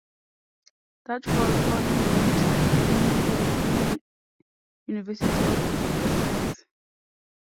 That fall Paul enrolled in the Free University of Brussels.